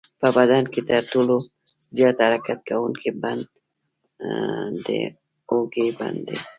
په بدن کې تر ټولو زیات حرکت کوونکی بند د اوږې بند دی.